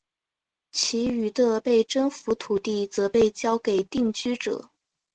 其余的被征服土地则被交给定居者。